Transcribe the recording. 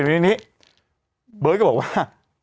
ไม่เป็นว่านี้เบิร์ทก็บอกว่า